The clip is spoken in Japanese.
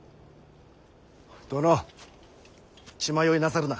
殿血迷いなさるな。